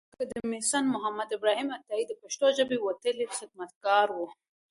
کاندي اکاډميسنمحمد ابراهیم عطایي د پښتو ژبې وتلی خدمتګار و.